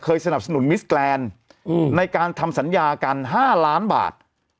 สนับสนุนมิสแกรนด์ในการทำสัญญากัน๕ล้านบาท